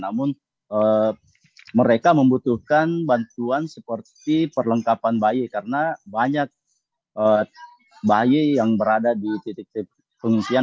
namun mereka membutuhkan bantuan seperti perlengkapan bayi karena banyak bayi yang berada di titik titik pengungsian